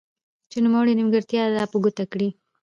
چې نوموړي نيمګړتياوي را په ګوته کړي.